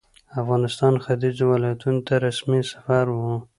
افغانستان ختیځو ولایتونو ته رسمي سفر وو.